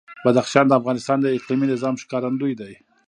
بدخشان د افغانستان د اقلیمي نظام ښکارندوی ده.